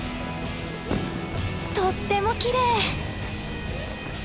とってもきれい！